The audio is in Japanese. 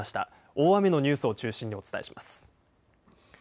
大雨のニュースを中心にお伝えします。